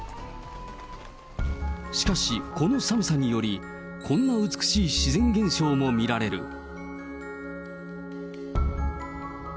しかし、この寒さにより、こんな美しい自然現象も見られる。